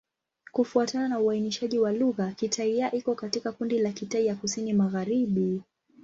Kufuatana na uainishaji wa lugha, Kitai-Ya iko katika kundi la Kitai ya Kusini-Magharibi.